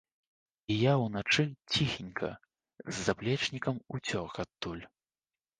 І я ўначы, ціхенька, з заплечнікам уцёк адтуль.